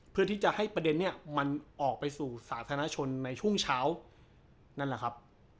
เพื่อที่จะให้ประเด็นนี้มันออกไปสู่สาธารณชนในช่วงเช้านั่นแหละครับ